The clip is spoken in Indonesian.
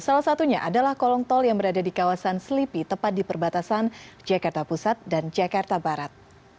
salah satunya adalah kolong tol yang berada di kawasan selipi tepat di perbatasan jakarta pusat dan jakarta barat